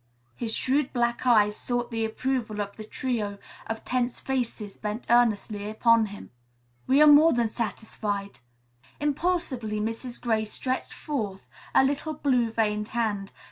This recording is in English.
His shrewd black eyes sought the approval of the trio of tense faces bent earnestly upon him. "We are more than satisfied." Impulsively Mrs. Gray stretched forth a little blue veined hand.